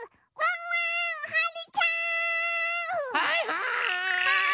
はいはい！